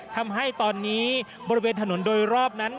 ทำให้ตอนนี้บริเวณถนนโดยรอบนั้น